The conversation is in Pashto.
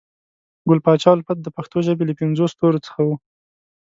ګل پاچا الفت د پښنو ژبې له پنځو ستورو څخه وو